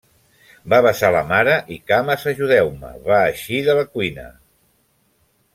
Va besar la mare i cames ajudeu-me, va eixir de la cuina.